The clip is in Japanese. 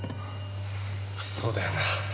そうだよな。